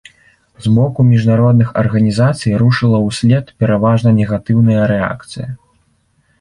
З боку міжнародных арганізацый рушыла ўслед пераважна негатыўная рэакцыя.